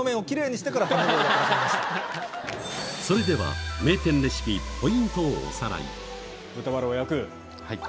それでは名店レシピポイントをおさらい豚バラを焼く。